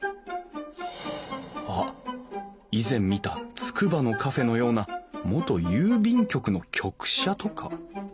あっ以前見たつくばのカフェのような元郵便局の局舎とか？